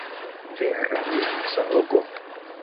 Vera mensogo.